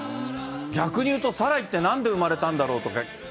逆に言うと、サライってなんで生まれたんだろうとか。